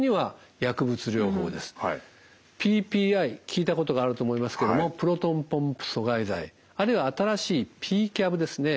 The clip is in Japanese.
ＰＰＩ聞いたことがあると思いますけどもプロトンポンプ阻害剤あるいは新しいＰ−ＣＡＢですね